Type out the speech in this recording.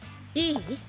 いい？